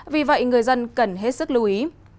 vì vậy người dân cần hết sức lưu ý